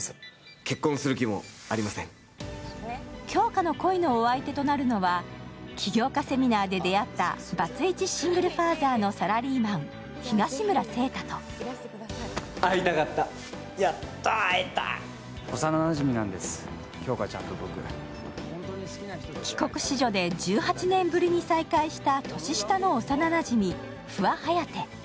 杏花の恋のお相手となるのは、起業家セミナーで出会ったバツイチシングルファーザーのサラリーマン・東村晴太と帰国子女で１８年ぶりに再会した年下の幼なじみ、不破颯。